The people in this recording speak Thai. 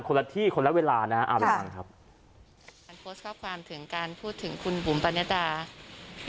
คนละที่คนละเวลานะอ่าไปฟังนะครับ